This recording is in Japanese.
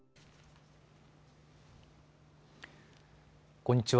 こんにちは。